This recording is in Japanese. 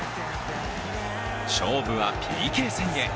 勝負はＰＫ戦へ。